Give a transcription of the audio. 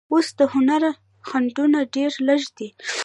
اوس د هنر خنډونه ډېر لږ دي.